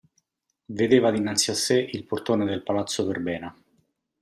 Vedeva dinanzi a sé il portone del palazzo Verbena.